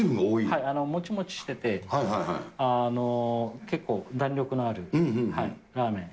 もちもちしてて、結構、弾力のあるラーメン。